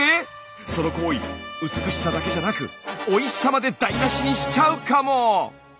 その行為美しさだけじゃなくおいしさまで台なしにしちゃうかも！